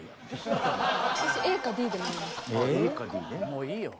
もういいよ。